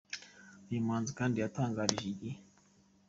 Uyu muhanzi kandi yatangarije « Igihe.